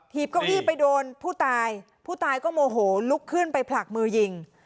เก้าอี้ไปโดนผู้ตายผู้ตายก็โมโหลุกขึ้นไปผลักมือยิง